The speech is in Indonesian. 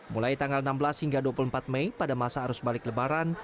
mulai tanggal enam belas hingga dua puluh empat mei pada masa arus balik lebaran